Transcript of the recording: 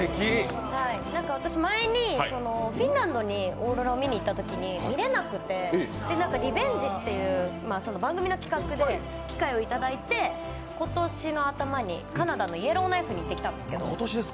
私、前にフィンランドにオーロラを見にいったときに見れなくて、リベンジっていう番組の企画で機会をいただいて今年の頭にカナダのイエローナイフに行ってきたんですけど。